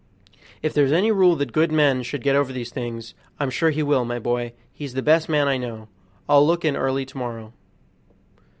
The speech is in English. "If there's any rule that good men should get over these things, I'm sure he will, my boy; he's the best man I know. I'll look in early to morrow."